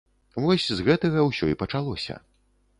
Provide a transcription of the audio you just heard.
Вось з гэтага ўсё і пачалося.